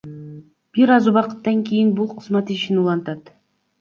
Бир аз убакыттан кийин бул кызмат ишин улантат.